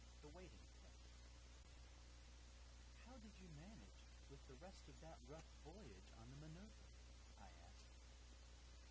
The Waiting Place "HOW DID YOU manage with the rest of that rough voyage on the Minerva?" I asked.